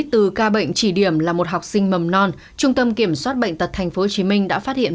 từ ca bệnh chỉ điểm là một học sinh mầm non trung tâm kiểm soát bệnh tật tp hcm đã phát hiện